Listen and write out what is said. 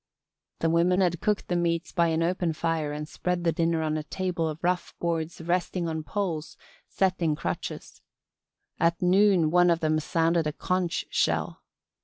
The women had cooked the meats by an open fire and spread the dinner on a table of rough boards resting on poles set in crotches. At noon one of them sounded a conch shell.